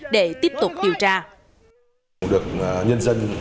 để tiếp tục điều tra